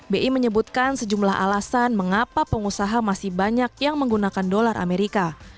bi menyebutkan sejumlah alasan mengapa pengusaha masih banyak yang menggunakan dolar amerika